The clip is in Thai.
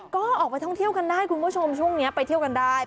ก็ออกไปท่องเที่ยวกันได้คุณผู้ชมช่วงนี้ไปเที่ยวกันได้